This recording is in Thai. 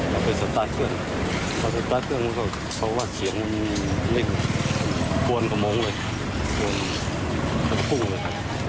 เขาไปสตาร์ทเครื่องเขาสตาร์ทเครื่องนั้นก็เขาว่าเสียงเล็กบวนกระโมงเลยบวนกระปุ้งเลย